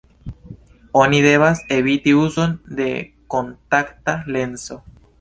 Oni devas eviti uzon de kontakta lenso.